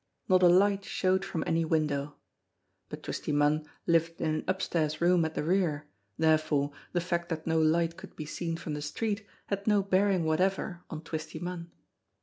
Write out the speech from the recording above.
Not a light showed from any window. But Twisty Munn lived in an upstairs room at the rear, therefore the fact that no light could be seen from the street had no bearing whatever on Twisty Munn.